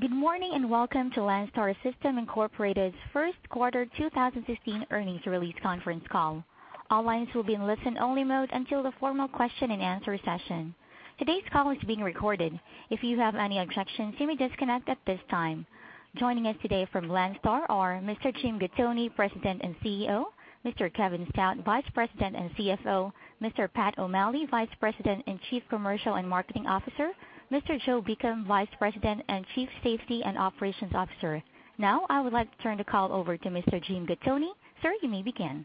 Good morning, and welcome to Landstar System Incorporated's First Quarter 2016 Earnings Release Conference Call. All lines will be in listen-only mode until the formal question-and-answer session. Today's call is being recorded. If you have any objections, you may disconnect at this time. Joining us today from Landstar are Mr. Jim Gattoni, President and CEO; Mr. Kevin Stout, Vice President and CFO; Mr. Pat O'Malley, Vice President and Chief Commercial and Marketing Officer; Mr. Joe Beacom, Vice President and Chief Safety and Operations Officer. Now, I would like to turn the call over to Mr. Jim Gattoni. Sir, you may begin.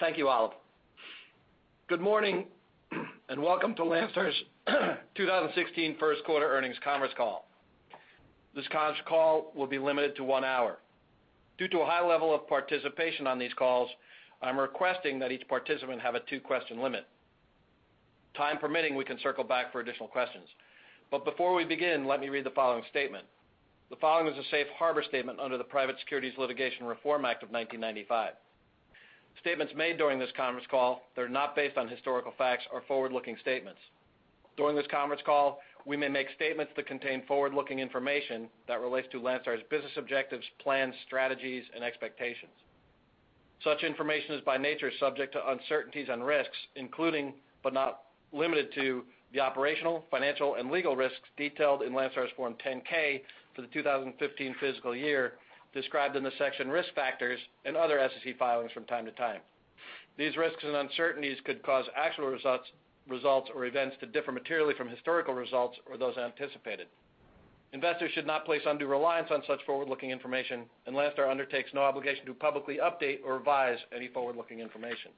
Thank you, Olive. Good morning, and welcome to Landstar's 2016 First Quarter Earnings Conference Call. This conference call will be limited to one hour. Due to a high level of participation on these calls, I'm requesting that each participant have a two-question limit. Time permitting, we can circle back for additional questions. Before we begin, let me read the following statement. The following is a safe harbor statement under the Private Securities Litigation Reform Act of 1995. Statements made during this conference call that are not based on historical facts are forward-looking statements. During this conference call, we may make statements that contain forward-looking information that relates to Landstar's business objectives, plans, strategies, and expectations. Such information is, by nature, subject to uncertainties and risks, including, but not limited to, the operational, financial, and legal risks detailed in Landstar's Form 10-K for the 2015 fiscal year, described in the section Risk Factors and other SEC filings from time to time. These risks and uncertainties could cause actual results, results or events to differ materially from historical results or those anticipated. Investors should not place undue reliance on such forward-looking information, and Landstar undertakes no obligation to publicly update or revise any forward-looking information.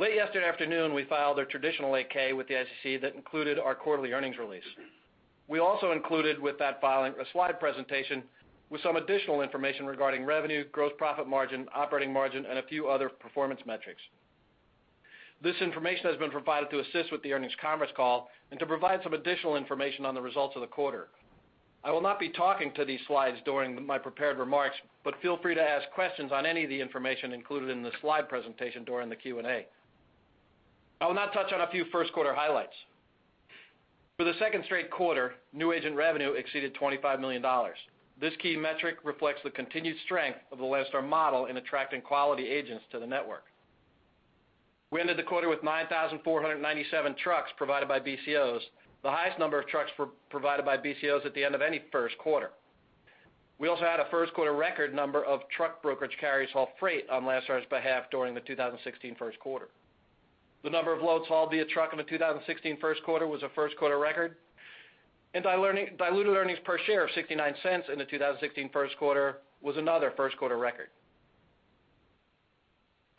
Late yesterday afternoon, we filed a traditional 8-K with the SEC that included our quarterly earnings release. We also included with that filing a slide presentation with some additional information regarding revenue, gross profit margin, operating margin, and a few other performance metrics. This information has been provided to assist with the earnings conference call and to provide some additional information on the results of the quarter. I will not be talking to these slides during my prepared remarks, but feel free to ask questions on any of the information included in the slide presentation during the Q&A. I will now touch on a few first quarter highlights. For the second straight quarter, new agent revenue exceeded $25 million. This key metric reflects the continued strength of the Landstar model in attracting quality agents to the network. We ended the quarter with 9,497 trucks provided by BCOs, the highest number of trucks provided by BCOs at the end of any first quarter. We also had a first quarter record number of truck brokerage carriers haul freight on Landstar's behalf during the 2016 first quarter. The number of loads hauled via truck in the 2016 first quarter was a first quarter record, and diluted earnings per share of $0.69 in the 2016 first quarter was another first quarter record.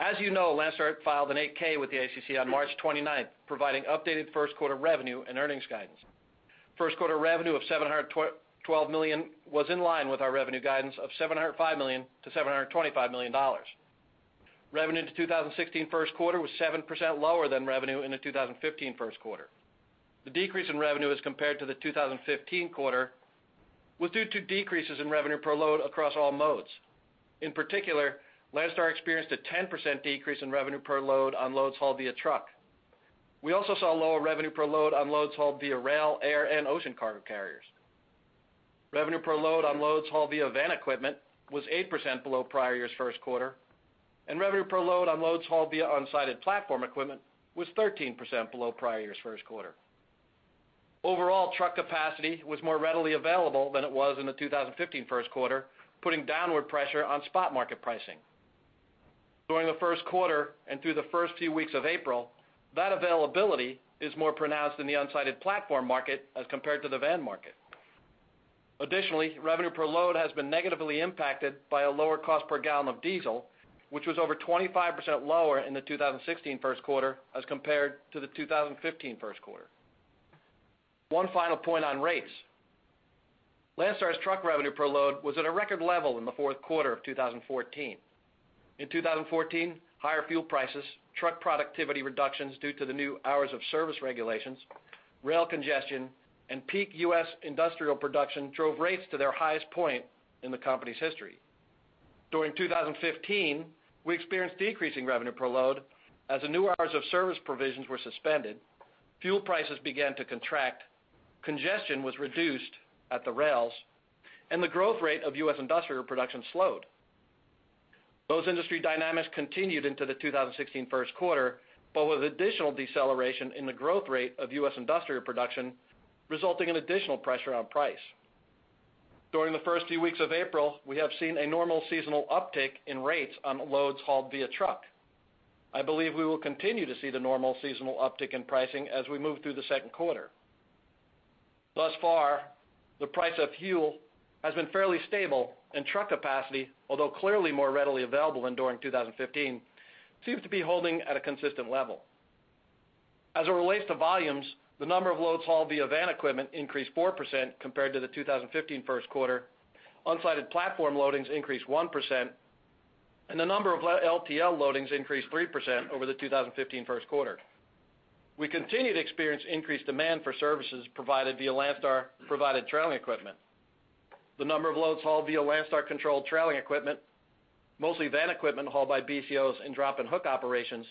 As you know, Landstar filed an 8-K with the SEC on March twenty-ninth, providing updated first quarter revenue and earnings guidance. First quarter revenue of $712 million was in line with our revenue guidance of $705 million-$725 million. Revenue in the 2016 first quarter was 7% lower than revenue in the 2015 first quarter. The decrease in revenue as compared to the 2015 quarter was due to decreases in revenue per load across all modes. In particular, Landstar experienced a 10% decrease in revenue per load on loads hauled via truck. We also saw lower revenue per load on loads hauled via rail, air, and ocean cargo carriers. Revenue per load on loads hauled via van equipment was 8% below prior year's first quarter, and revenue per load on loads hauled via unsided platform equipment was 13% below prior year's first quarter. Overall, truck capacity was more readily available than it was in the 2015 first quarter, putting downward pressure on spot market pricing. During the first quarter and through the first few weeks of April, that availability is more pronounced in the unsided platform market as compared to the van market. Additionally, revenue per load has been negatively impacted by a lower cost per gallon of diesel, which was over 25% lower in the 2016 first quarter as compared to the 2015 first quarter. One final point on rates. Landstar's truck revenue per load was at a record level in the fourth quarter of 2014. In 2014, higher fuel prices, truck productivity reductions due to the new hours of service regulations, rail congestion, and peak U.S. industrial production drove rates to their highest point in the company's history. During 2015, we experienced decreasing revenue per load as the new hours of service provisions were suspended, fuel prices began to contract, congestion was reduced at the rails, and the growth rate of U.S. industrial production slowed. Those industry dynamics continued into the 2016 first quarter, but with additional deceleration in the growth rate of U.S. industrial production, resulting in additional pressure on price. During the first few weeks of April, we have seen a normal seasonal uptick in rates on loads hauled via truck. I believe we will continue to see the normal seasonal uptick in pricing as we move through the second quarter. Thus far, the price of fuel has been fairly stable, and truck capacity, although clearly more readily available than during 2015, seems to be holding at a consistent level. As it relates to volumes, the number of loads hauled via van equipment increased 4% compared to the 2015 first quarter. Unsided platform loadings increased 1%, and the number of LTL loadings increased 3% over the 2015 first quarter. We continue to experience increased demand for services provided via Landstar-provided trailing equipment. The number of loads hauled via Landstar-controlled trailing equipment, mostly van equipment hauled by BCOs in drop and hook operations,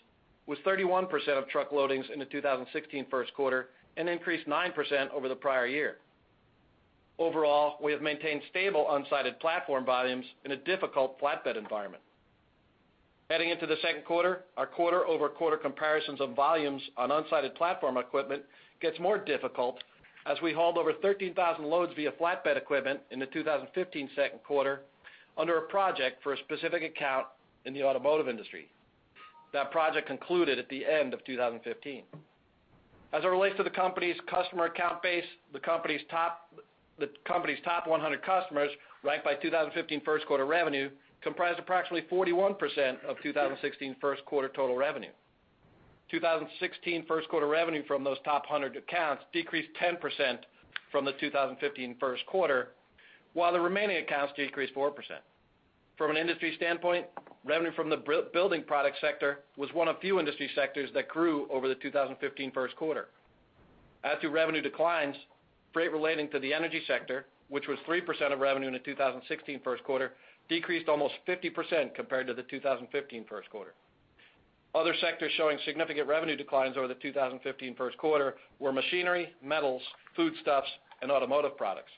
was 31% of truck loadings in the 2016 first quarter and increased 9% over the prior year. Overall, we have maintained stable unsided platform volumes in a difficult flatbed environment. Heading into the second quarter, our quarter-over-quarter comparisons of volumes on unsided platform equipment gets more difficult as we hauled over 13,000 loads via flatbed equipment in the 2015 second quarter under a project for a specific account in the automotive industry. That project concluded at the end of 2015. As it relates to the company's customer account base, the company's top 100 customers, ranked by 2015 first quarter revenue, comprised approximately 41% of 2016 first quarter total revenue. 2016 first quarter revenue from those top 100 accounts decreased 10% from the 2015 first quarter, while the remaining accounts decreased 4%. From an industry standpoint, revenue from the building product sector was one of few industry sectors that grew over the 2015 first quarter. As to revenue declines, freight relating to the energy sector, which was 3% of revenue in the 2016 first quarter, decreased almost 50% compared to the 2015 first quarter. Other sectors showing significant revenue declines over the 2015 first quarter were machinery, metals, foodstuffs, and automotive products.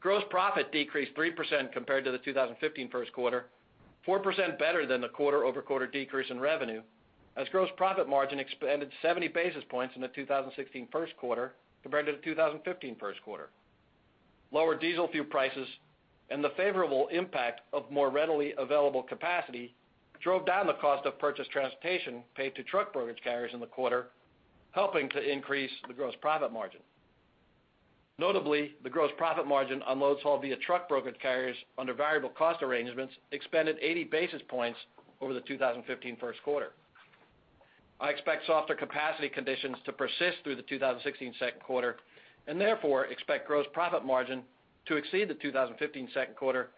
Gross profit decreased 3% compared to the 2015 first quarter, 4% better than the quarter-over-quarter decrease in revenue, as gross profit margin expanded 70 basis points in the 2016 first quarter compared to the 2015 first quarter. Lower diesel fuel prices and the favorable impact of more readily available capacity drove down the cost of purchased transportation paid to truck brokerage carriers in the quarter, helping to increase the gross profit margin. Notably, the gross profit margin on loads hauled via truck brokerage carriers under variable cost arrangements expanded 80 basis points over the 2015 first quarter. I expect softer capacity conditions to persist through the 2016 second quarter, and therefore, expect gross profit margin to exceed the 2015 second quarter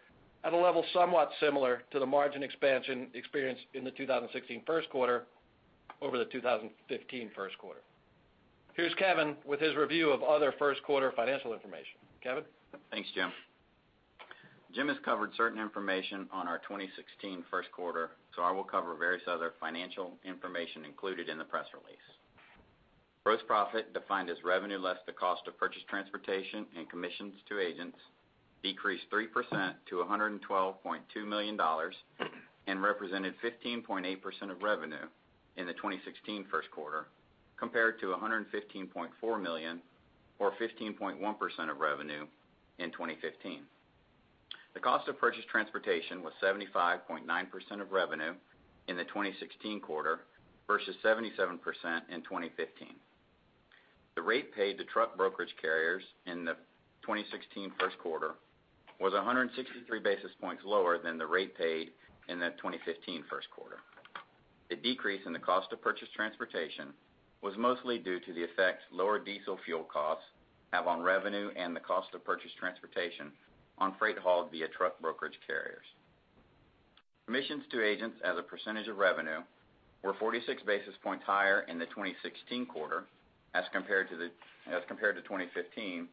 at a level somewhat similar to the margin expansion experienced in the 2016 first quarter over the 2015 first quarter. Here's Kevin with his review of other first quarter financial information. Kevin? Thanks, Jim. Jim has covered certain information on our 2016 first quarter, so I will cover various other financial information included in the press release. Gross profit, defined as revenue less the cost of purchased transportation and commissions to agents, decreased 3% to $112.2 million and represented 15.8% of revenue in the 2016 first quarter, compared to $115.4 million, or 15.1% of revenue, in 2015. The cost of purchased transportation was 75.9% of revenue in the 2016 quarter versus 77% in 2015. The rate paid to truck brokerage carriers in the 2016 first quarter was 163 basis points lower than the rate paid in the 2015 first quarter. The decrease in the cost of purchased transportation was mostly due to the effects lower diesel fuel costs have on revenue and the cost of purchased transportation on freight hauled via truck brokerage carriers. Commissions to agents as a percentage of revenue were 46 basis points higher in the 2016 quarter as compared to 2015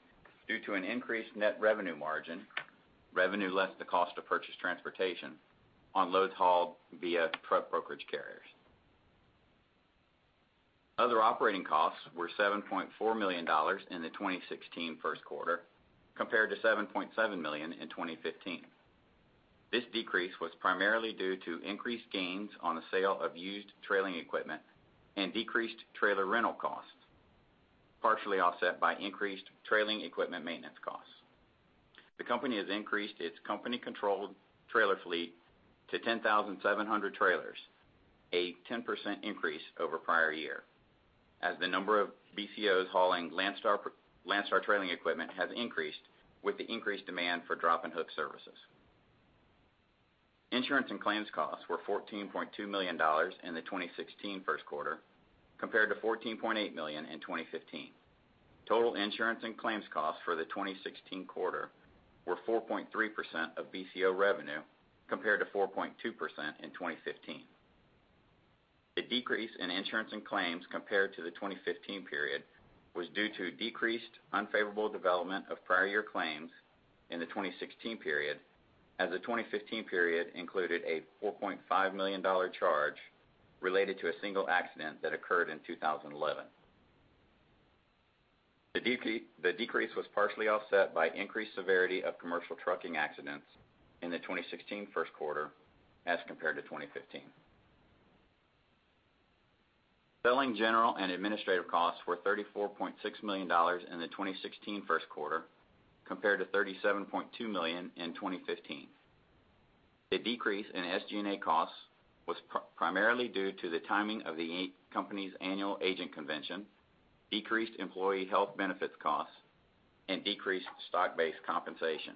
due to an increased net revenue margin, revenue less the cost of purchased transportation, on loads hauled via truck brokerage carriers. Other operating costs were $7.4 million in the 2016 first quarter, compared to $7.7 million in 2015. This decrease was primarily due to increased gains on the sale of used trailing equipment and decreased trailer rental costs, partially offset by increased trailing equipment maintenance costs. The company has increased its company-controlled trailer fleet to 10,700 trailers, a 10% increase over prior year, as the number of BCOs hauling Landstar trailer equipment has increased with the increased demand for drop and hook services. Insurance and claims costs were $14.2 million in the 2016 first quarter, compared to $14.8 million in 2015. Total insurance and claims costs for the 2016 quarter were 4.3% of BCO revenue, compared to 4.2% in 2015. The decrease in insurance and claims compared to the 2015 period was due to decreased unfavorable development of prior year claims in the 2016 period, as the 2015 period included a $4.5 million charge related to a single accident that occurred in 2011. The decrease was partially offset by increased severity of commercial trucking accidents in the 2016 first quarter as compared to 2015. Selling, general, and administrative costs were $34.6 million in the 2016 first quarter, compared to $37.2 million in 2015. The decrease in SG&A costs was primarily due to the timing of the company's annual agent convention, decreased employee health benefits costs, and decreased stock-based compensation,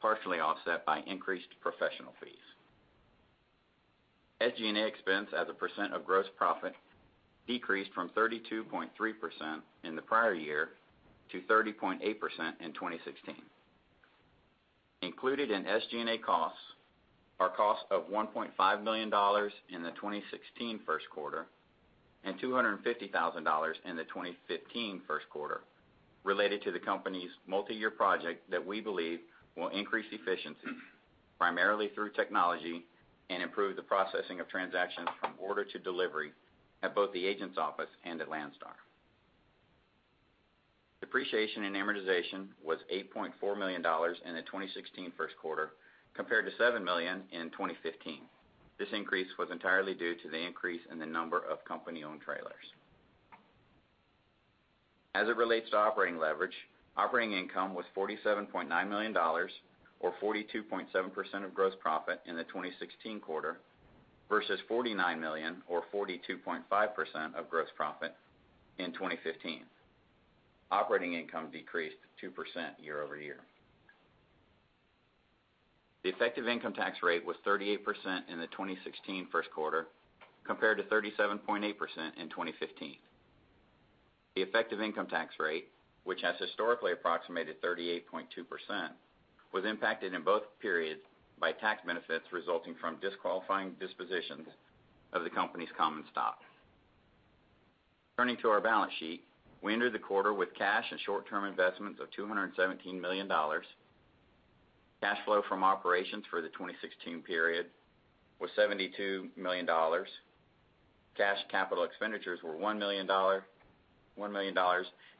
partially offset by increased professional fees. SG&A expense as a percent of gross profit decreased from 32.3% in the prior year to 30.8% in 2016.... Included in SG&A costs are costs of $1.5 million in the 2016 first quarter, and $250,000 in the 2015 first quarter, related to the company's multi-year project that we believe will increase efficiency, primarily through technology, and improve the processing of transactions from order to delivery at both the agent's office and at Landstar. Depreciation and amortization was $8.4 million in the 2016 first quarter, compared to $7 million in 2015. This increase was entirely due to the increase in the number of company-owned trailers. As it relates to operating leverage, operating income was $47.9 million, or 42.7% of gross profit in the 2016 quarter, versus $49 million or 42.5% of gross profit in 2015. Operating income decreased 2% year-over-year. The effective income tax rate was 38% in the 2016 first quarter, compared to 37.8% in 2015. The effective income tax rate, which has historically approximated 38.2%, was impacted in both periods by tax benefits resulting from disqualifying dispositions of the company's common stock. Turning to our balance sheet, we entered the quarter with cash and short-term investments of $217 million. Cash flow from operations for the 2016 period was $72 million. Cash capital expenditures were $1 million,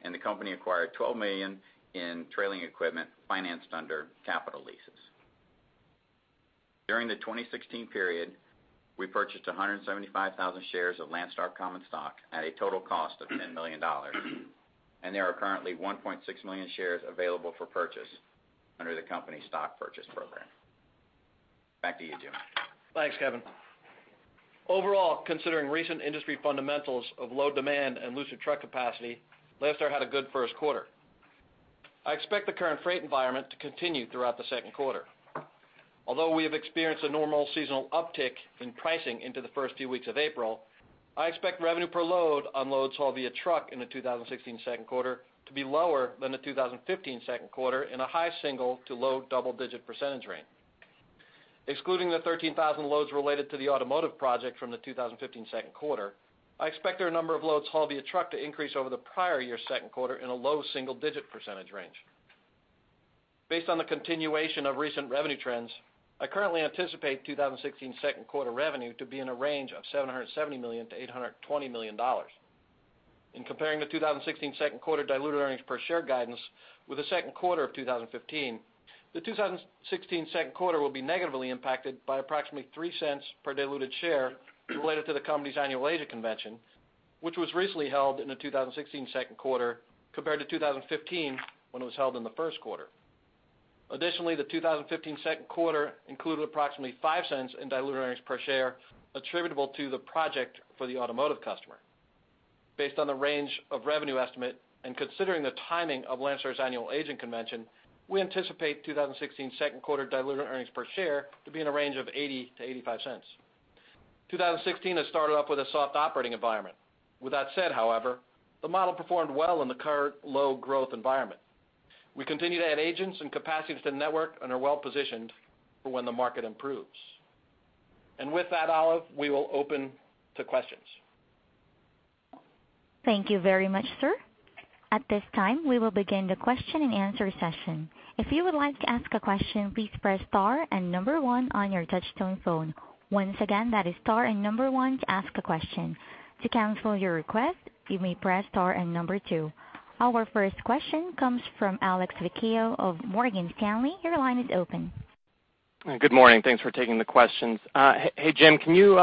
and the company acquired $12 million in trailing equipment financed under capital leases. During the 2016 period, we purchased 175,000 shares of Landstar common stock at a total cost of $10 million, and there are currently 1.6 million shares available for purchase under the company's stock purchase program. Back to you, Jim. Thanks, Kevin. Overall, considering recent industry fundamentals of low demand and looser truck capacity, Landstar had a good first quarter. I expect the current freight environment to continue throughout the second quarter. Although we have experienced a normal seasonal uptick in pricing into the first few weeks of April, I expect revenue per load on loads hauled via truck in the 2016 second quarter to be lower than the 2015 second quarter in a high single- to low double-digit % range. Excluding the 13,000 loads related to the automotive project from the 2015 second quarter, I expect their number of loads hauled via truck to increase over the prior year's second quarter in a low single-digit % range. Based on the continuation of recent revenue trends, I currently anticipate 2016 second quarter revenue to be in a range of $770 million-$820 million. In comparing the 2016 second quarter diluted earnings per share guidance with the second quarter of 2015, the 2016 second quarter will be negatively impacted by approximately $0.03 per diluted share related to the company's annual agent convention, which was recently held in the 2016 second quarter, compared to 2015, when it was held in the first quarter. Additionally, the 2015 second quarter included approximately $0.05 in diluted earnings per share, attributable to the project for the automotive customer. Based on the range of revenue estimate and considering the timing of Landstar's annual agent convention, we anticipate 2016 second quarter diluted earnings per share to be in a range of $0.80-$0.85. 2016 has started off with a soft operating environment. With that said, however, the model performed well in the current low growth environment. We continue to add agents and capacity to the network and are well positioned for when the market improves. With that, Olive, we will open to questions. Thank you very much, sir. At this time, we will begin the question-and-answer session. If you would like to ask a question, please press star and number one on your touchtone phone. Once again, that is star and number one to ask a question. To cancel your request, you may press star and number two. Our first question comes from Alex Vecchio of Morgan Stanley. Your line is open. Good morning. Thanks for taking the questions. Hey, Jim, can you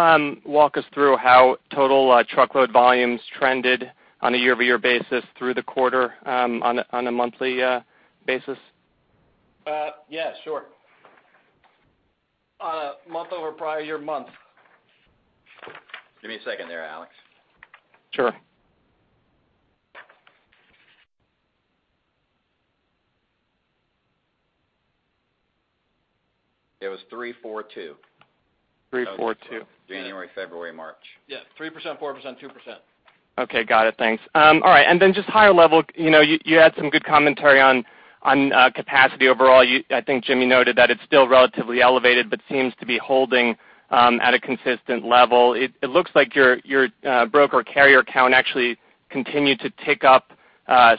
walk us through how total truckload volumes trended on a year-over-year basis through the quarter, on a monthly basis? Yeah, sure. On a month-over-month prior year month? Give me a second there, Alex. Sure. It was 342. 3, 4, 2. January, February, March. Yeah, 3%, 4%, 2%. Okay, got it. Thanks. All right, and then just higher level, you know, you, you had some good commentary on, on, capacity overall. You, I think Jimmy noted that it's still relatively elevated, but seems to be holding, at a consistent level. It, it looks like your, your, broker carrier count actually continued to tick up,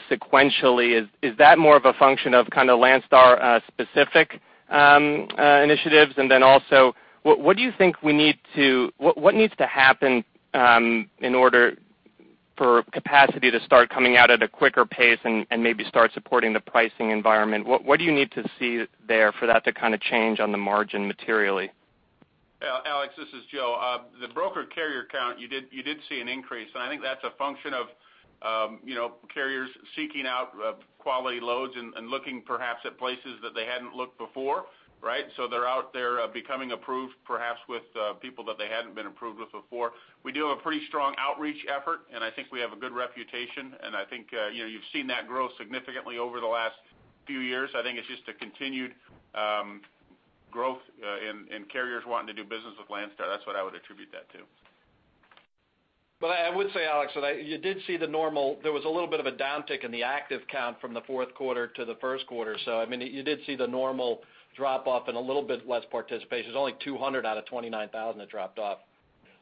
sequentially. Is, is that more of a function of kind of Landstar, specific, initiatives? And then also, what, what do you think we need to, what, what needs to happen, in order for capacity to start coming out at a quicker pace and, and maybe start supporting the pricing environment? What, what do you need to see there for that to kind of change on the margin materially? Alex, this is Joe. The broker carrier count, you did see an increase, and I think that's a function of, you know, carriers seeking out quality loads and looking perhaps at places that they hadn't looked before, right? So they're out there becoming approved, perhaps with people that they hadn't been approved with before. We do have a pretty strong outreach effort, and I think we have a good reputation, and I think, you know, you've seen that grow significantly over the last few years. I think it's just a continued-... and carriers wanting to do business with Landstar. That's what I would attribute that to. Well, I, I would say, Alex, that you did see the normal, there was a little bit of a downtick in the active count from the fourth quarter to the first quarter. So I mean, you did see the normal drop off and a little bit less participation. There's only 200 out of 29,000 that dropped off.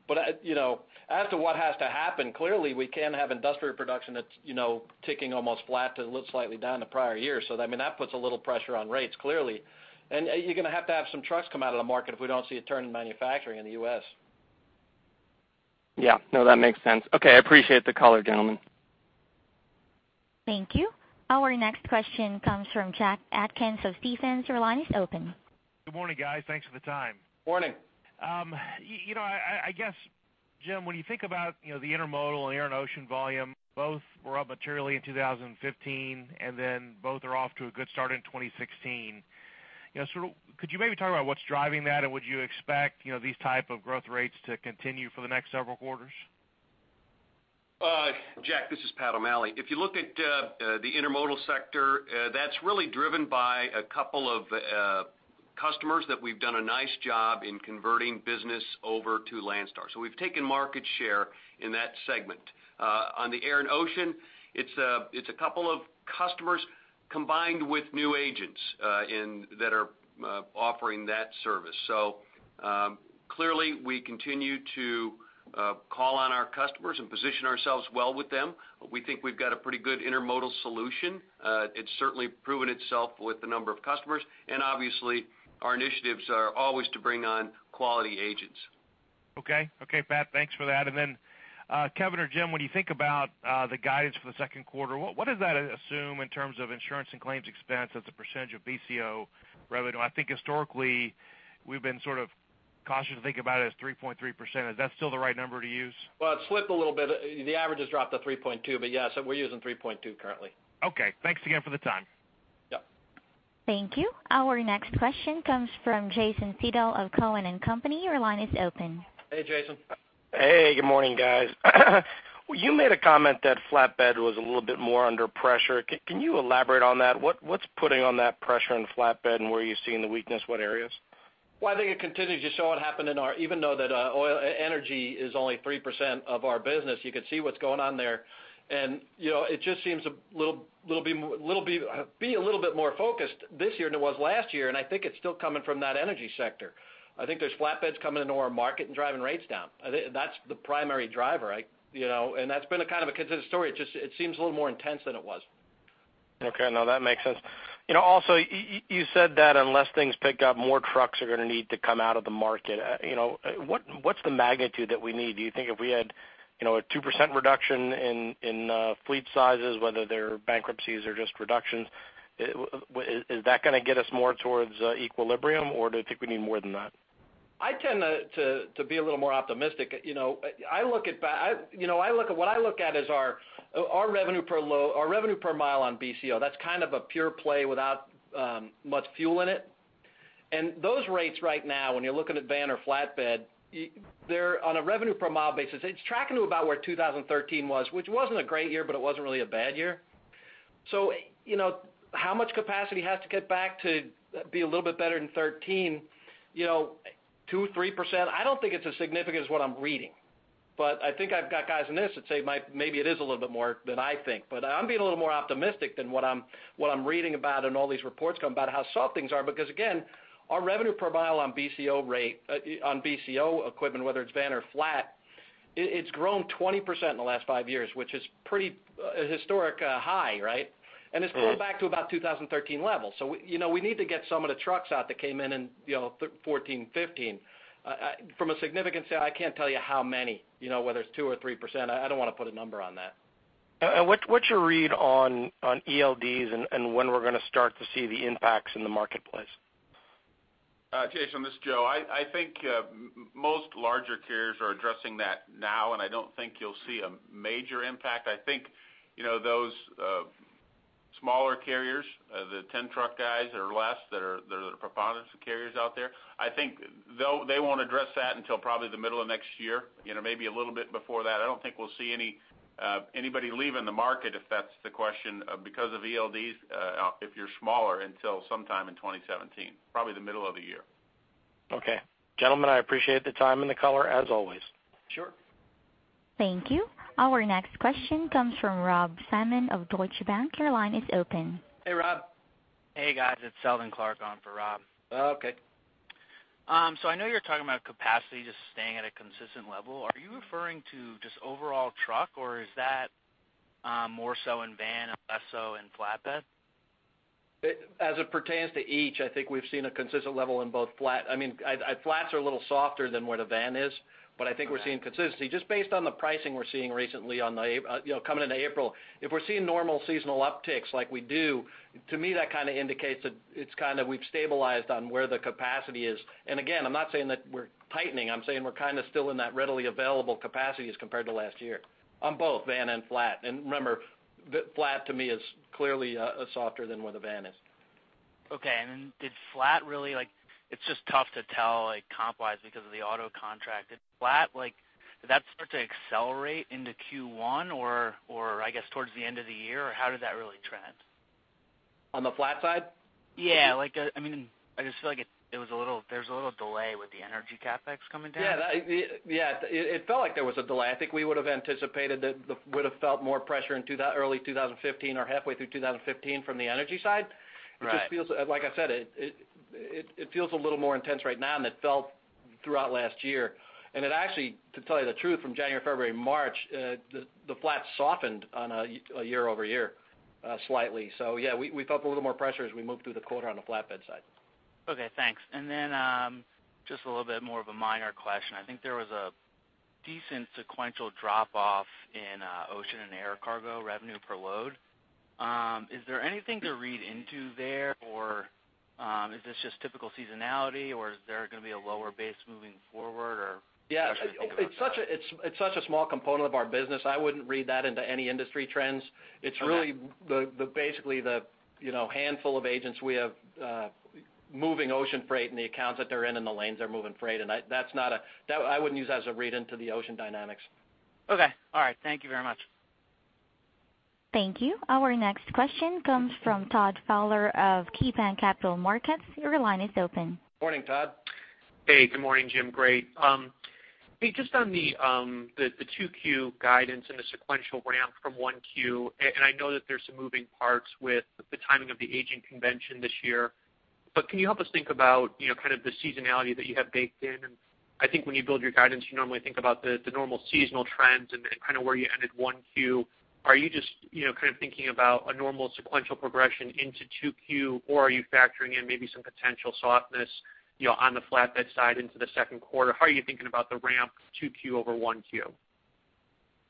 But, you know, as to what has to happen, clearly, we can have industrial production that's, you know, ticking almost flat to slightly down the prior year. So, I mean, that puts a little pressure on rates, clearly. And, you're going to have to have some trucks come out of the market if we don't see a turn in manufacturing in the U.S. Yeah. No, that makes sense. Okay, I appreciate the color, gentlemen. Thank you. Our next question comes from Jack Atkins of Stephens. Your line is open. Good morning, guys. Thanks for the time. Morning. You know, I guess, Jim, when you think about, you know, the intermodal and air and ocean volume, both were up materially in 2015, and then both are off to a good start in 2016. You know, sort of could you maybe talk about what's driving that, and would you expect, you know, these type of growth rates to continue for the next several quarters? Jack, this is Pat O'Malley. If you look at the intermodal sector, that's really driven by a couple of customers that we've done a nice job in converting business over to Landstar. So we've taken market share in that segment. On the air and ocean, it's a couple of customers combined with new agents that are offering that service. So, clearly, we continue to call on our customers and position ourselves well with them. We think we've got a pretty good intermodal solution. It's certainly proven itself with a number of customers, and obviously, our initiatives are always to bring on quality agents. Okay. Okay, Pat, thanks for that. And then, Kevin or Jim, when you think about, the guidance for the second quarter, what, what does that assume in terms of insurance and claims expense as a percentage of BCO revenue? I think historically, we've been sort of cautious to think about it as 3.3%. Is that still the right number to use? Well, it slipped a little bit. The average has dropped to 3.2, but yeah, so we're using 3.2 currently. Okay, thanks again for the time. Yep. Thank you. Our next question comes from Jason Seidel of Cowen and Company. Your line is open. Hey, Jason. Hey, good morning, guys. You made a comment that flatbed was a little bit more under pressure. Can you elaborate on that? What's putting on that pressure on flatbed, and where are you seeing the weakness, what areas? Well, I think it continues to show what happened in our business, even though that oil and energy is only 3% of our business, you can see what's going on there. And, you know, it just seems a little bit more focused this year than it was last year, and I think it's still coming from that energy sector. I think there's flatbeds coming into our market and driving rates down. I think that's the primary driver, you know, and that's been a kind of a consistent story. It just seems a little more intense than it was. Okay. No, that makes sense. You know, also, you said that unless things pick up, more trucks are going to need to come out of the market. You know, what, what's the magnitude that we need? Do you think if we had, you know, a 2% reduction in, in, fleet sizes, whether they're bankruptcies or just reductions, is that going to get us more towards, equilibrium, or do you think we need more than that? I tend to be a little more optimistic. You know, I look at what I look at is our revenue per mile on BCO. That's kind of a pure play without much fuel in it. And those rates right now, when you're looking at van or flatbed, they're on a revenue per mile basis, it's tracking to about where 2013 was, which wasn't a great year, but it wasn't really a bad year. So, you know, how much capacity has to get back to be a little bit better than 2013? You know, 2%-3%. I don't think it's as significant as what I'm reading, but I think I've got guys in this that say my maybe it is a little bit more than I think. But I'm being a little more optimistic than what I'm reading about and all these reports come about how soft things are, because, again, our revenue per mile on BCO rate, on BCO equipment, whether it's van or flat, it's grown 20% in the last five years, which is pretty historic high, right? Mm-hmm. It's pulled back to about 2013 levels. You know, we need to get some of the trucks out that came in in, you know, 2013, 2014, 2015. From a significance, I can't tell you how many, you know, whether it's 2% or 3%, I don't want to put a number on that. What's your read on ELDs and when we're going to start to see the impacts in the marketplace? Jason, this is Joe. I think most larger carriers are addressing that now, and I don't think you'll see a major impact. I think, you know, those smaller carriers, the 10-truck guys or less, that are the preponderance of carriers out there, I think they'll—they won't address that until probably the middle of next year, you know, maybe a little bit before that. I don't think we'll see any anybody leaving the market, if that's the question, because of ELDs, if you're smaller, until sometime in 2017, probably the middle of the year. Okay. Gentlemen, I appreciate the time and the color, as always. Sure. Thank you. Our next question comes from Rob Salmon of Deutsche Bank. Your line is open. Hey, Rob. Hey, guys, it's Seldon Clarke on for Rob. Okay. So I know you're talking about capacity just staying at a consistent level. Are you referring to just overall truck, or is that, more so in van and less so in flatbed? It as it pertains to each, I think we've seen a consistent level in both flat. Flats are a little softer than where the van is, but I think we're seeing consistency just based on the pricing we're seeing recently on the A, you know, coming into April. If we're seeing normal seasonal upticks like we do, to me, that kind of indicates that it's kind of we've stabilized on where the capacity is. And again, I'm not saying that we're tightening. I'm saying we're kind of still in that readily available capacity as compared to last year, on both van and flat. And remember, the flat to me is clearly softer than where the van is. Okay, and then did flat really like... It's just tough to tell, like, comp-wise, because of the auto contract. Did flat, like, did that start to accelerate into Q1, or, or I guess, towards the end of the year, or how did that really trend?... on the flat side? Yeah, like, I mean, I just feel like it was a little. There's a little delay with the energy CapEx coming down. Yeah, it felt like there was a delay. I think we would have anticipated that would have felt more pressure in 2Q, early 2015 or halfway through 2015 from the energy side. Right. It just feels, like I said, it feels a little more intense right now than it felt throughout last year. And it actually, to tell you the truth, from January, February, March, the flat softened on a year-over-year slightly. So yeah, we felt a little more pressure as we moved through the quarter on the flatbed side. Okay, thanks. And then, just a little bit more of a minor question. I think there was a decent sequential drop-off in ocean and air cargo revenue per load. Is there anything to read into there, or, is this just typical seasonality, or is there gonna be a lower base moving forward, or? Yeah, it's such a small component of our business. I wouldn't read that into any industry trends. Okay. It's really basically the you know handful of agents we have moving ocean freight and the accounts that they're in, and the lanes they're moving freight. And I, that's not a... That, I wouldn't use that as a read into the ocean dynamics. Okay, all right. Thank you very much. Thank you. Our next question comes from Todd Fowler of KeyBanc Capital Markets. Your line is open. Morning, Todd. Hey, good morning, Jim. Great. Hey, just on the 2Q guidance and the sequential ramp from 1Q, and I know that there's some moving parts with the timing of the agent convention this year. But can you help us think about, you know, kind of the seasonality that you have baked in? And I think when you build your guidance, you normally think about the normal seasonal trends and kind of where you ended 1Q. Are you just, you know, kind of thinking about a normal sequential progression into 2Q? Or are you factoring in maybe some potential softness, you know, on the flatbed side into the second quarter? How are you thinking about the ramp 2Q over 1Q?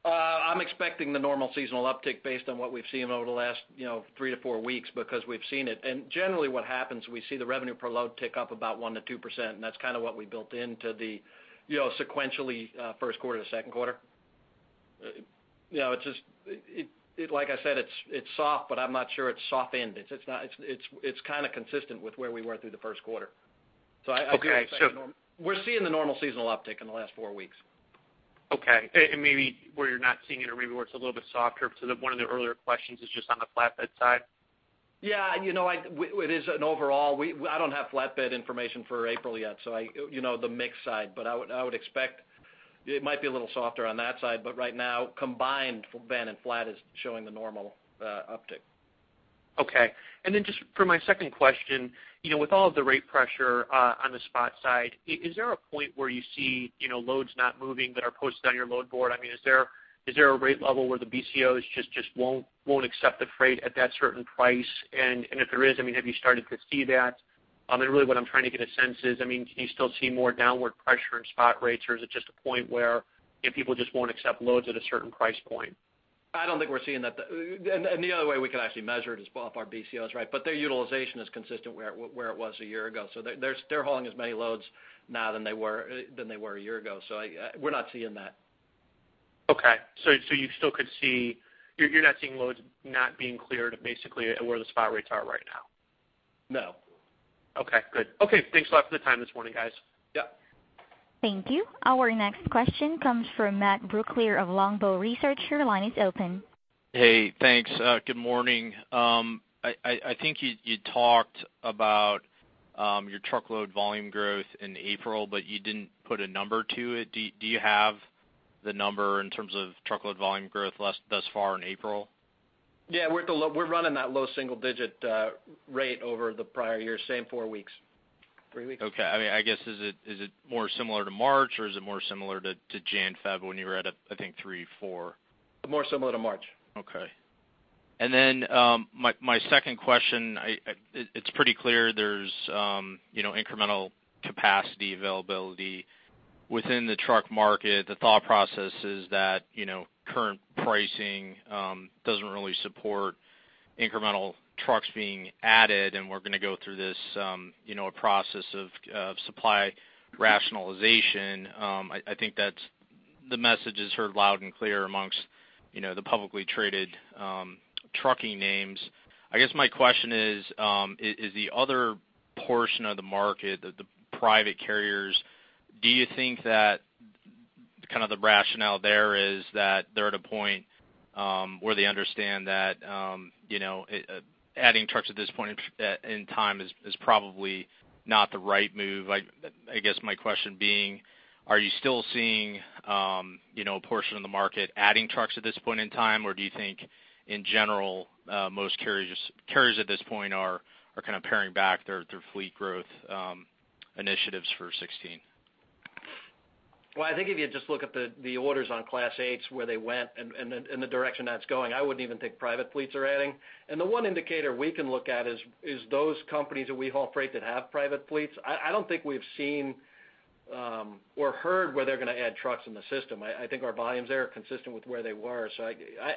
I'm expecting the normal seasonal uptick based on what we've seen over the last, you know, 3-4 weeks, because we've seen it. And generally, what happens, we see the revenue per load tick up about 1%-2%, and that's kind of what we built into the, you know, sequentially, first quarter to second quarter. You know, it's just, it, like I said, it's soft, but I'm not sure it's soft ended. It's not, it's kind of consistent with where we were through the first quarter. So I, I- Okay, so- We're seeing the normal seasonal uptick in the last four weeks. Okay. And maybe where you're not seeing it, or maybe where it's a little bit softer, so one of the earlier questions is just on the flatbed side? Yeah, you know, it is an overall... We, I don't have flatbed information for April yet, so I, you know, the mix side, but I would, I would expect it might be a little softer on that side. But right now, combined, van and flat is showing the normal uptick. Okay. And then just for my second question, you know, with all of the rate pressure on the spot side, is there a point where you see, you know, loads not moving that are posted on your load board? I mean, is there, is there a rate level where the BCOs just, just won't, won't accept the freight at that certain price? And, and if there is, I mean, have you started to see that? I mean, really what I'm trying to get a sense is, I mean, can you still see more downward pressure in spot rates, or is it just a point where, you know, people just won't accept loads at a certain price point? I don't think we're seeing that. The other way we could actually measure it is if our BCOs, right? But their utilization is consistent where it was a year ago. So they're hauling as many loads now than they were a year ago. So we're not seeing that. Okay. So you still could see... You're not seeing loads not being cleared, basically, where the spot rates are right now? No. Okay, good. Okay, thanks a lot for the time this morning, guys. Yep. Thank you. Our next question comes from Matt Brooklier of Longbow Research. Your line is open. Hey, thanks. Good morning. I think you talked about your truckload volume growth in April, but you didn't put a number to it. Do you have the number in terms of truckload volume growth thus far in April? Yeah, we're at the low. We're running that low single-digit rate over the prior year, same four weeks. Three weeks? Okay. I mean, I guess, is it, is it more similar to March, or is it more similar to, to Jan, Feb, when you were at, I think, three, four? More similar to March. Okay. And then, my second question, it's pretty clear there's, you know, incremental capacity availability within the truck market. The thought process is that, you know, current pricing doesn't really support incremental trucks being added, and we're going to go through this, you know, a process of supply rationalization. I think that's the message is heard loud and clear amongst, you know, the publicly traded trucking names. I guess my question is, is the other portion of the market, the private carriers, do you think that kind of the rationale there is that they're at a point, where they understand that, you know, adding trucks at this point in time is probably not the right move? I guess my question being, are you still seeing, you know, a portion of the market adding trucks at this point in time? Or do you think in general, most carriers at this point are kind of paring back their fleet growth initiatives for 2016? Well, I think if you just look at the orders on Class 8s, where they went and the direction that's going, I wouldn't even think private fleets are adding. And the one indicator we can look at is those companies that we haul freight that have private fleets. I don't think we've seen or heard where they're going to add trucks in the system. I think our volumes there are consistent with where they were. So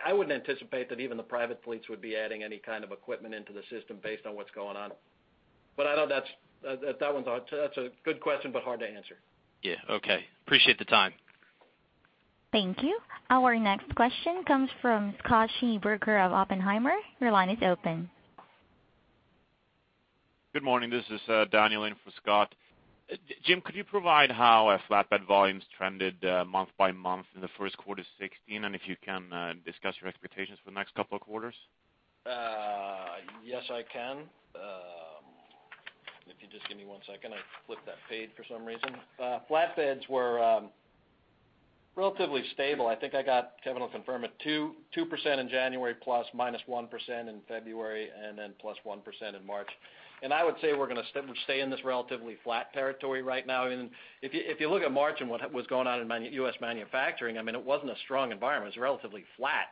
I wouldn't anticipate that even the private fleets would be adding any kind of equipment into the system based on what's going on. But I know that's... That's a good question, but hard to answer. Yeah, okay. Appreciate the time. Thank you. Our next question comes from Scott Schneeberger of Oppenheimer. Your line is open. Good morning, this is Daniel in for Scott. Jim, could you provide how flatbed volumes trended month by month in the first quarter 2016? And if you can, discuss your expectations for the next couple of quarters. Yes, I can. If you just give me one second, I flipped that page for some reason. Flatbeds were relatively stable. I think I got, Kevin will confirm it, 2% in January, ±1% in February, and then +1% in March. I would say we're gonna stay in this relatively flat territory right now. I mean, if you look at March and what was going on in U.S. manufacturing, I mean, it wasn't a strong environment. It was relatively flat.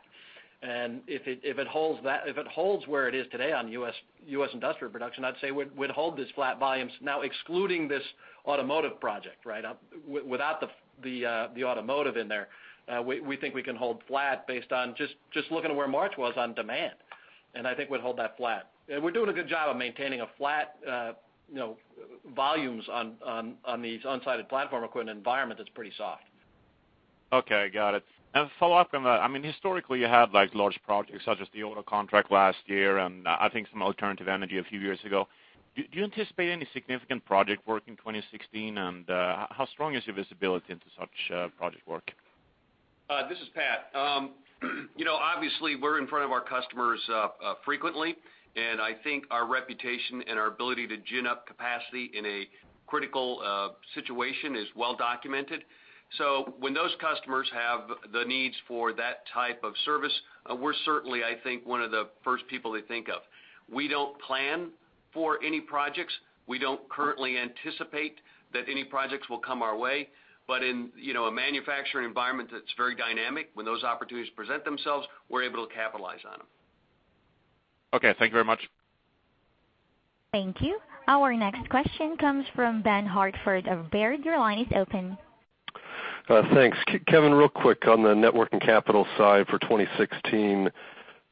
If it holds where it is today on U.S. industrial production, I'd say we'd hold this flat volumes now, excluding this automotive project, right? Without the automotive in there, we think we can hold flat based on just looking at where March was on demand. I think we'd hold that flat. We're doing a good job of maintaining a flat, you know, volumes on these unsided platform equipment environment that's pretty soft. Okay, got it. And a follow-up on that, I mean, historically, you had, like, large projects such as the auto contract last year, and I think some alternative energy a few years ago. Do you anticipate any significant project work in 2016? And how strong is your visibility into such project work? This is Pat. You know, obviously, we're in front of our customers frequently, and I think our reputation and our ability to gin up capacity in a critical situation is well documented. So when those customers have the needs for that type of service, we're certainly, I think, one of the first people they think of. We don't plan for any projects. We don't currently anticipate that any projects will come our way. But in, you know, a manufacturing environment that's very dynamic, when those opportunities present themselves, we're able to capitalize on them. Okay, thank you very much. Thank you. Our next question comes from Ben Hartford of Baird. Your line is open. Thanks. Kevin, real quick, on the net working capital side for 2016,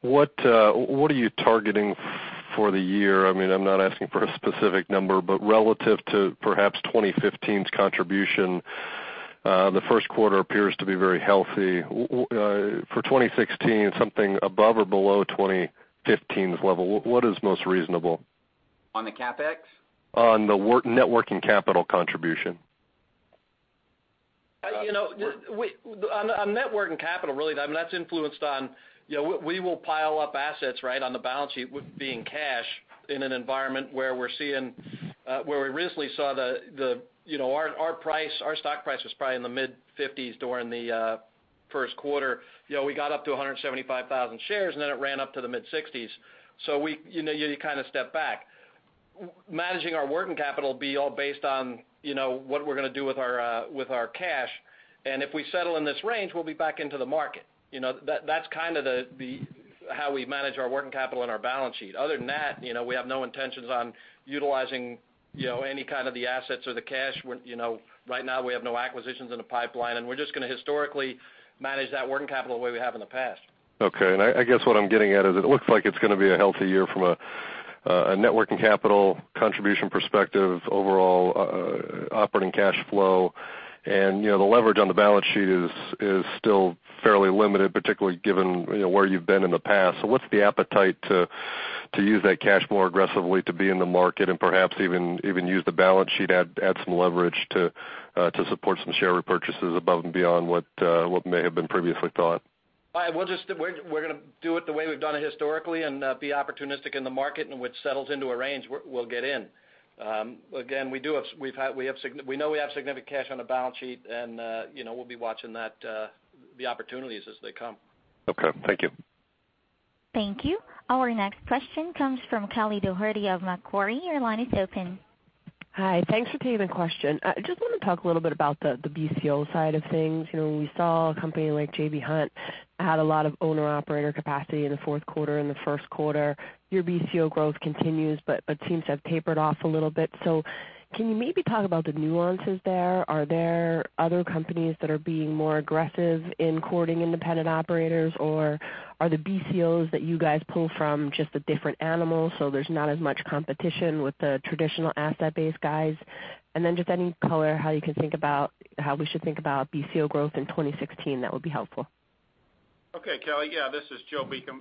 what are you targeting for the year? I mean, I'm not asking for a specific number, but relative to perhaps 2015's contribution, the first quarter appears to be very healthy. For 2016, something above or below 2015's level, what is most reasonable? On the CapEx? On the net working capital contribution. You know, we on net working capital, really, I mean, that's influenced on, you know, we will pile up assets, right, on the balance sheet with being cash in an environment where we're seeing where we recently saw you know our price, our stock price was probably in the mid-fifties during the first quarter. You know, we got up to 175,000 shares, and then it ran up to the mid-sixties. So we, you know, you kind of step back. Managing our working capital will be all based on, you know, what we're gonna do with our cash. And if we settle in this range, we'll be back into the market. You know, that's kind of the how we manage our working capital and our balance sheet. Other than that, you know, we have no intentions on utilizing, you know, any kind of the assets or the cash. You know, right now, we have no acquisitions in the pipeline, and we're just gonna historically manage that working capital the way we have in the past. Okay. And I guess what I'm getting at is it looks like it's gonna be a healthy year from a net working capital contribution perspective, overall, operating cash flow. And, you know, the leverage on the balance sheet is still fairly limited, particularly given, you know, where you've been in the past. So what's the appetite to use that cash more aggressively to be in the market and perhaps even use the balance sheet, add some leverage to support some share repurchases above and beyond what may have been previously thought? We'll just, we're gonna do it the way we've done it historically and be opportunistic in the market. And what settles into a range, we'll get in. Again, we know we have significant cash on the balance sheet, and, you know, we'll be watching that, the opportunities as they come. Okay, thank you. Thank you. Our next question comes from Kelly Dougherty of Macquarie. Your line is open. Hi. Thanks for taking the question. I just want to talk a little bit about the BCO side of things. You know, we saw a company like J.B. Hunt had a lot of owner-operator capacity in the fourth quarter and the first quarter. Your BCO growth continues, but seems to have tapered off a little bit. So can you maybe talk about the nuances there? Are there other companies that are being more aggressive in courting independent operators, or are the BCOs that you guys pull from just a different animal, so there's not as much competition with the traditional asset-based guys? And then, just any color how you can think about, how we should think about BCO growth in 2016, that would be helpful. Okay, Kelly. Yeah, this is Joe Beacom.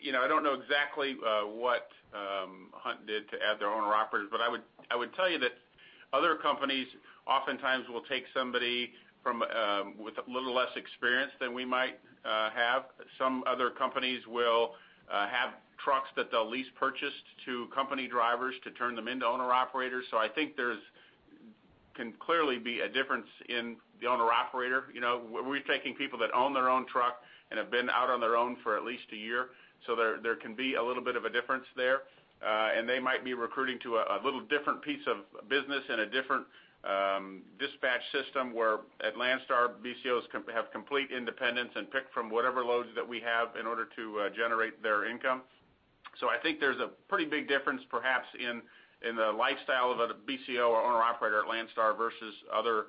You know, I don't know exactly what Hunt did to add their own operators, but I would tell you that other companies oftentimes will take somebody from with a little less experience than we might have. Some other companies will have trucks that they'll lease purchase to company drivers to turn them into owner-operators. So I think there can clearly be a difference in the owner-operator. You know, we're taking people that own their own truck and have been out on their own for at least a year, so there can be a little bit of a difference there. And they might be recruiting to a little different piece of business and a different dispatch system, where at Landstar, BCOs have complete independence and pick from whatever loads that we have in order to generate their income. So I think there's a pretty big difference, perhaps, in the lifestyle of a BCO or owner-operator at Landstar versus other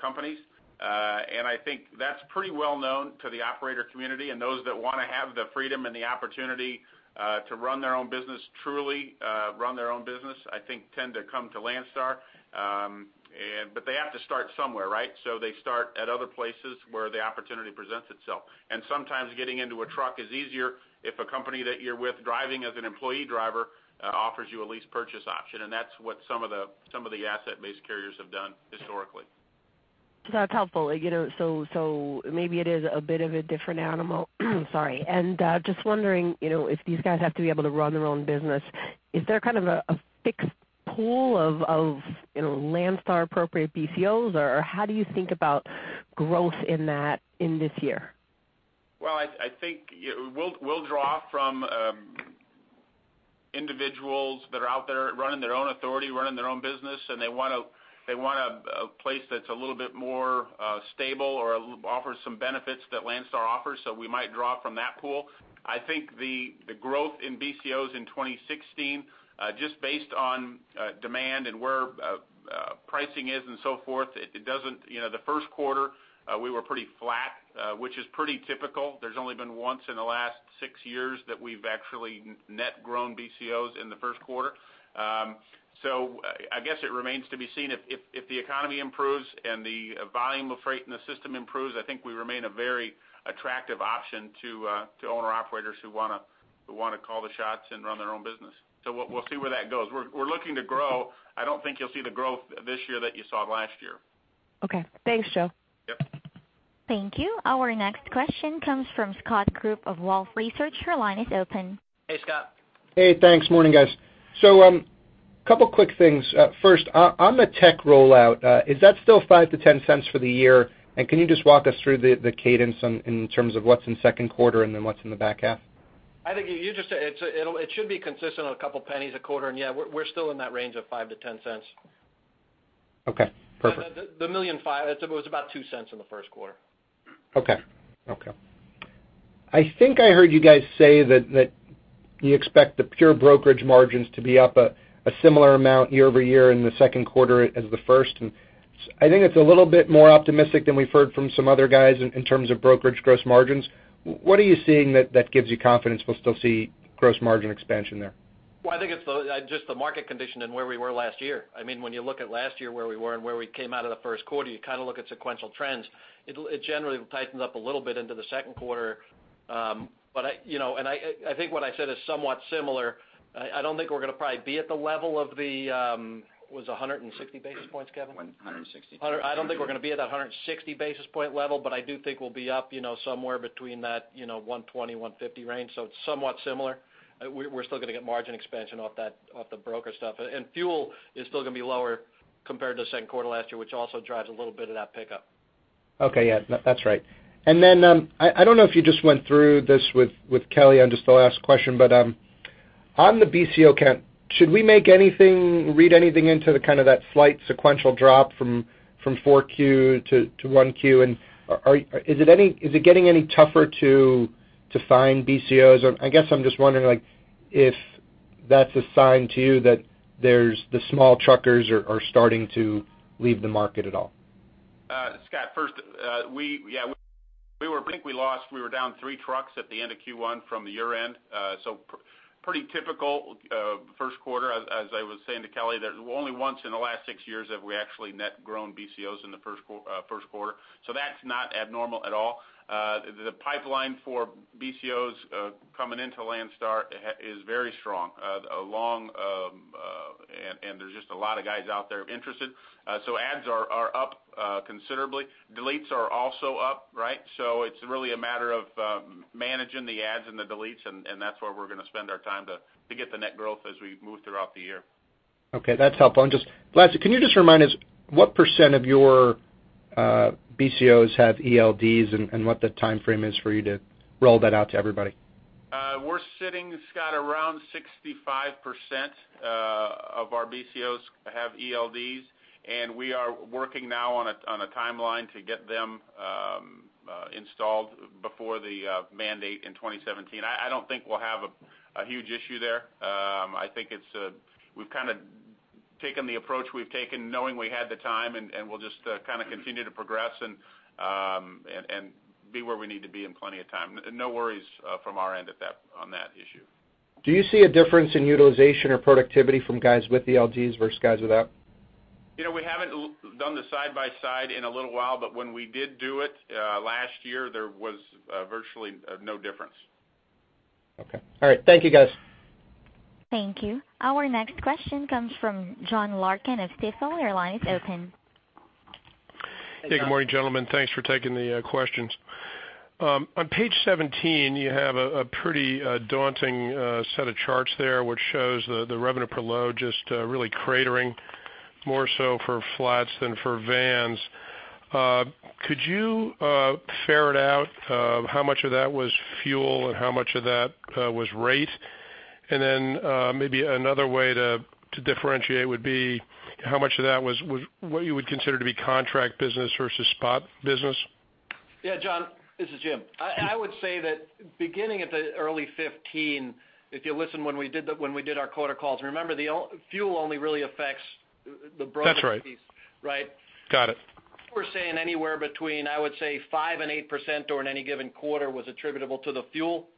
companies. And I think that's pretty well known to the operator community and those that wanna have the freedom and the opportunity to run their own business, truly run their own business, I think tend to come to Landstar. But they have to start somewhere, right? So they start at other places where the opportunity presents itself. Sometimes getting into a truck is easier if a company that you're with, driving as an employee driver, offers you a lease purchase option, and that's what some of the asset-based carriers have done historically. ... So that's helpful. You know, so, so maybe it is a bit of a different animal. Sorry. And, just wondering, you know, if these guys have to be able to run their own business, is there kind of a, a fixed pool of, of, you know, Landstar-appropriate BCOs, or how do you think about growth in that in this year? Well, I think, yeah, we'll draw from individuals that are out there running their own authority, running their own business, and they want a place that's a little bit more stable or offers some benefits that Landstar offers, so we might draw from that pool. I think the growth in BCOs in 2016 just based on demand and where pricing is and so forth, it doesn't... You know, the first quarter we were pretty flat, which is pretty typical. There's only been once in the last six years that we've actually net grown BCOs in the first quarter. So I guess it remains to be seen if the economy improves and the volume of freight in the system improves. I think we remain a very attractive option to owner-operators who wanna call the shots and run their own business. So we'll see where that goes. We're looking to grow. I don't think you'll see the growth this year that you saw last year. Okay. Thanks, Joe. Yep. Thank you. Our next question comes from Scott Group of Wolfe Research. Your line is open. Hey, Scott. Hey, thanks. Morning, guys. So, couple quick things. First, on the tech rollout, is that still $0.05-$0.10 for the year? And can you just walk us through the cadence in terms of what's in second quarter and then what's in the back half? I think you just said, it'll be consistent on a couple pennies a quarter, and yeah, we're still in that range of $0.05-$0.10. Okay, perfect. The $1.5 million, it's about $0.02 in the first quarter. Okay. I think I heard you guys say that you expect the pure brokerage margins to be up a similar amount year-over-year in the second quarter as the first. I think it's a little bit more optimistic than we've heard from some other guys in terms of brokerage gross margins. What are you seeing that gives you confidence we'll still see gross margin expansion there? Well, I think it's the just the market condition and where we were last year. I mean, when you look at last year, where we were and where we came out of the first quarter, you kind of look at sequential trends. It'll, it generally tightens up a little bit into the second quarter. But I, you know, and I, I think what I said is somewhat similar. I, I don't think we're gonna probably be at the level of the, was it 160 basis points, Kevin? 160. I don't think we're gonna be at that 160 basis point level, but I do think we'll be up, you know, somewhere between that, you know, 120-150 range, so it's somewhat similar. We're still gonna get margin expansion off that, off the broker stuff. And fuel is still gonna be lower compared to the second quarter last year, which also drives a little bit of that pickup. Okay, yeah, that's right. And then, I don't know if you just went through this with Kelly on just the last question, but, on the BCO count, should we make anything, read anything into the kind of that slight sequential drop from 4Q to 1Q? And is it getting any tougher to find BCOs? Or I guess I'm just wondering, like, if that's a sign to you that there's, the small truckers are starting to leave the market at all. Scott, first, we, yeah, we were... I think we lost, we were down 3 trucks at the end of Q1 from the year-end. So pretty typical, first quarter. As I was saying to Kelly, there's only once in the last 6 years have we actually net grown BCOs in the first quarter, so that's not abnormal at all. The pipeline for BCOs coming into Landstar is very strong, along, and there's just a lot of guys out there interested. So ads are up considerably. Deletes are also up, right? So it's really a matter of managing the adds and the deletes, and that's where we're gonna spend our time to get the net growth as we move throughout the year. Okay, that's helpful. And just lastly, can you just remind us what % of your BCOs have ELDs and what the timeframe is for you to roll that out to everybody? We're sitting, Scott, around 65% of our BCOs have ELDs, and we are working now on a timeline to get them installed before the mandate in 2017. I don't think we'll have a huge issue there. I think it's we've kind of taken the approach we've taken, knowing we had the time, and we'll just kind of continue to progress and be where we need to be in plenty of time. No worries from our end at that, on that issue. Do you see a difference in utilization or productivity from guys with ELDs versus guys without? You know, we haven't done the side by side in a little while, but when we did do it last year, there was virtually no difference. Okay. All right. Thank you, guys. Thank you. Our next question comes from John Larkin of Stifel. Your line is open. Hey, good morning, gentlemen. Thanks for taking the questions. On page 17, you have a pretty daunting set of charts there, which shows the revenue per load just really cratering, more so for flats than for vans. Could you ferret out how much of that was fuel and how much of that was rate? And then, maybe another way to differentiate would be how much of that was what you would consider to be contract business versus spot business? Yeah, John, this is Jim. I would say that beginning of the early 2015, if you listen when we did our quarter calls, remember, the fuel only really affects the brokerage- That's right. Right? Got it. We're saying anywhere between, I would say, 5%-8% or in any given quarter was attributable to the fuel.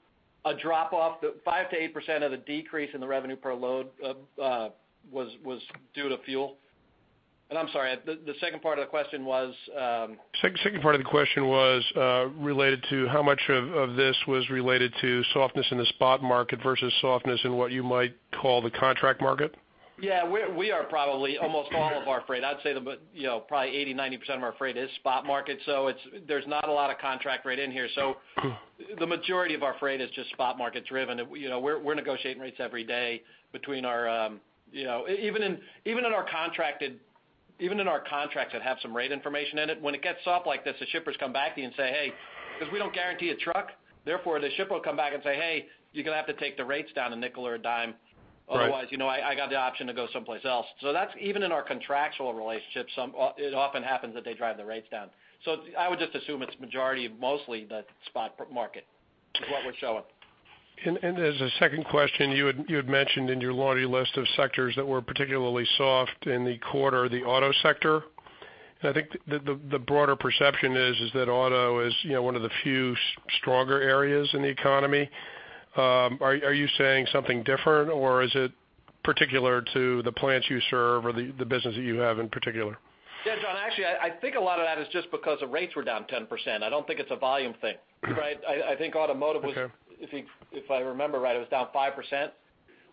A drop-off, the 5%-8% of the decrease in the revenue per load was due to fuel. And I'm sorry, the second part of the question was? Second, second part of the question was related to how much of, of this was related to softness in the spot market versus softness in what you might call the contract market? ... Yeah, we, we are probably almost all of our freight, I'd say the, you know, probably 80%-90% of our freight is spot market, so it's, there's not a lot of contract rate in here. So the majority of our freight is just spot market driven. You know, we're, we're negotiating rates every day between our, you know, even in, even in our contracted, even in our contracts that have some rate information in it, when it gets soft like this, the shippers come back to you and say, "Hey," because we don't guarantee a truck, therefore, the shipper will come back and say, "Hey, you're going to have to take the rates down a nickel or a dime. Right. Otherwise, you know, I got the option to go someplace else." So that's even in our contractual relationships, some, it often happens that they drive the rates down. So I would just assume it's majority, mostly the spot market, is what we're showing. As a second question, you had mentioned in your laundry list of sectors that were particularly soft in the quarter, the auto sector. I think the broader perception is that auto is, you know, one of the few stronger areas in the economy. Are you saying something different or is it particular to the plants you serve or the business that you have in particular? Yeah, John, actually, I think a lot of that is just because the rates were down 10%. I don't think it's a volume thing, right? I think automotive was- Okay. If I remember right, it was down 5%,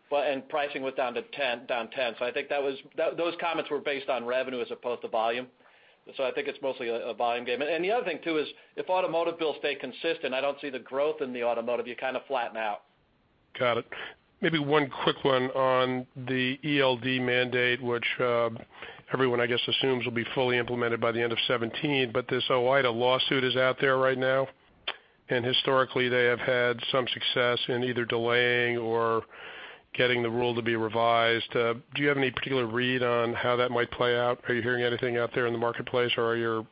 but and pricing was down 10, down 10. So I think that was, those comments were based on revenue as opposed to volume. So I think it's mostly a volume game. And the other thing, too, is if automotive builds stay consistent, I don't see the growth in the automotive; you kind of flatten out. Got it. Maybe one quick one on the ELD mandate, which, everyone, I guess, assumes will be fully implemented by the end of 2017. But this OOIDA lawsuit is out there right now, and historically, they have had some success in either delaying or getting the rule to be revised. Do you have any particular read on how that might play out? Are you hearing anything out there in the marketplace, or are your,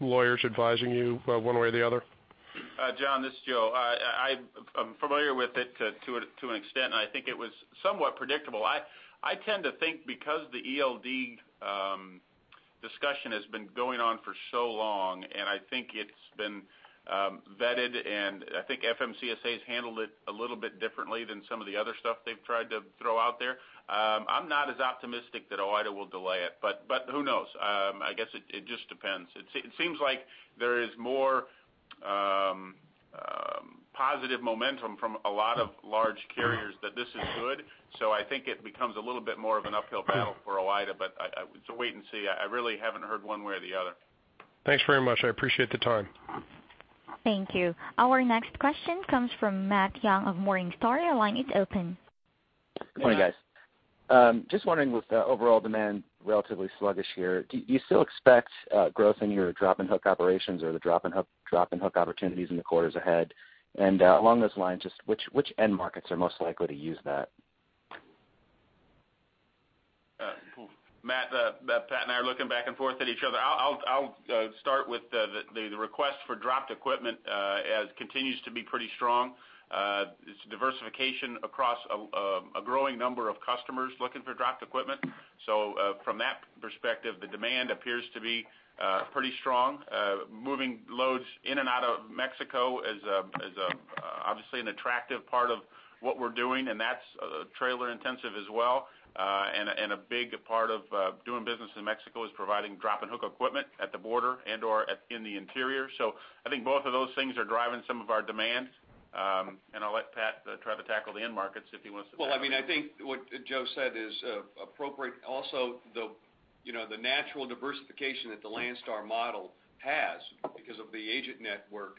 lawyers advising you one way or the other? John, this is Joe. I'm familiar with it to an extent, and I think it was somewhat predictable. I tend to think because the ELD discussion has been going on for so long, and I think it's been vetted, and I think FMCSA has handled it a little bit differently than some of the other stuff they've tried to throw out there. I'm not as optimistic that OOIDA will delay it, but who knows? I guess it just depends. It seems like there is more positive momentum from a lot of large carriers that this is good. So I think it becomes a little bit more of an uphill battle for OOIDA, but it's a wait and see. I really haven't heard one way or the other. Thanks very much. I appreciate the time. Thank you. Our next question comes from Matt Young of Morningstar. Your line is open. Good morning, guys. Just wondering, with the overall demand relatively sluggish here, do you still expect growth in your drop and hook operations or the drop and hook, drop and hook opportunities in the quarters ahead? Along those lines, just which end markets are most likely to use that? Matt, Pat and I are looking back and forth at each other. I'll start with the request for dropped equipment as continues to be pretty strong. It's diversification across a growing number of customers looking for dropped equipment. So, from that perspective, the demand appears to be pretty strong. Moving loads in and out of Mexico is obviously an attractive part of what we're doing, and that's trailer intensive as well. And a big part of doing business in Mexico is providing drop and hook equipment at the border and/or at, in the interior. So I think both of those things are driving some of our demand. And I'll let Pat try to tackle the end markets if he wants to- Well, I mean, I think what Joe said is appropriate. Also, you know, the natural diversification that the Landstar model has because of the agent network,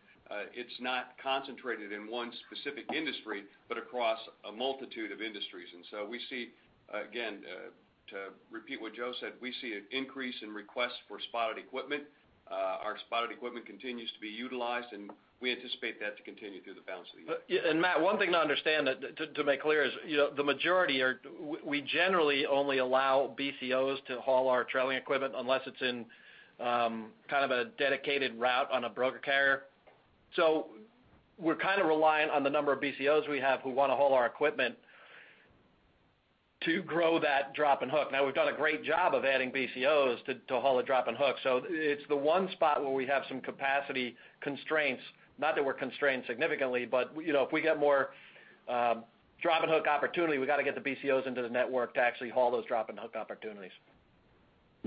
it's not concentrated in one specific industry, but across a multitude of industries. And so we see, again, to repeat what Joe said, we see an increase in requests for spotted equipment. Our spotted equipment continues to be utilized, and we anticipate that to continue through the balance of the year. Yeah, and Matt, one thing to understand that, to, to make clear is, you know, the majority are... We, we generally only allow BCOs to haul our trailer equipment unless it's in, kind of a dedicated route on a broker carrier. So we're kind of reliant on the number of BCOs we have who want to haul our equipment, to grow that drop and hook. Now, we've done a great job of adding BCOs to, to haul the drop and hook. So it's the one spot where we have some capacity constraints, not that we're constrained significantly, but, you know, if we get more, drop and hook opportunity, we got to get the BCOs into the network to actually haul those drop and hook opportunities.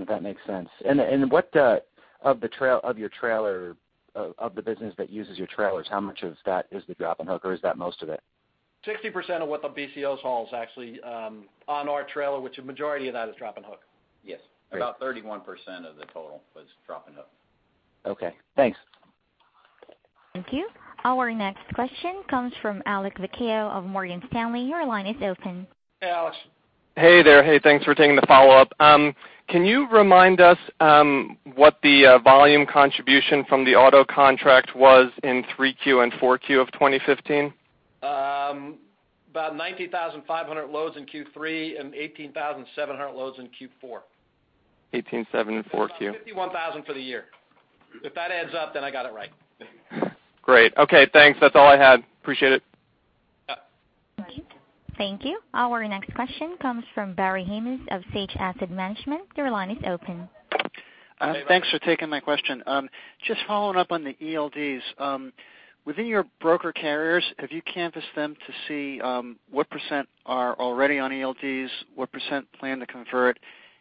That makes sense. And what of the trailer business that uses your trailers, how much of that is the drop and hook, or is that most of it? 60% of what the BCOs hauls actually on our trailer, which a majority of that is drop and hook. Yes. About 31% of the total is drop and hook. Okay, thanks. Thank you. Our next question comes from Alex Vecchio of Morgan Stanley. Your line is open. Hey, Alex. Hey there. Hey, thanks for taking the follow-up. Can you remind us what the volume contribution from the auto contract was in 3Q and 4Q of 2015? About 19,500 loads in Q3 and 18,700 loads in Q4. 18.7 in Q4. 51,000 for the year. If that adds up, then I got it right. Great. Okay, thanks. That's all I had. Appreciate it. Yep. Thank you. Our next question comes from Barry Haimes of Sage Asset Management. Your line is open. Thanks for taking my question. Just following up on the ELDs. Within your broker carriers, have you canvassed them to see what % are already on ELDs, what % plan to convert,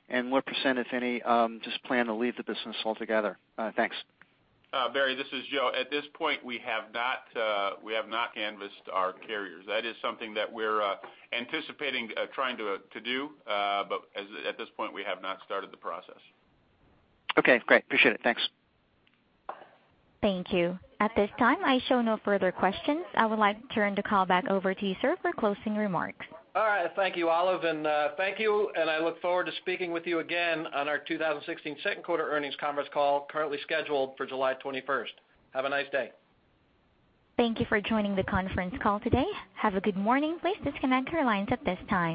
and what %, if any, just plan to leave the business altogether? Thanks. Barry, this is Joe. At this point, we have not canvassed our carriers. That is something that we're anticipating trying to do, but at this point, we have not started the process. Okay, great. Appreciate it. Thanks. Thank you. At this time, I show no further questions. I would like to turn the call back over to you, sir, for closing remarks. All right. Thank you, Olive, and thank you, and I look forward to speaking with you again on our 2016 second quarter earnings conference call, currently scheduled for July twenty-first. Have a nice day. Thank you for joining the conference call today. Have a good morning. Please disconnect your lines at this time.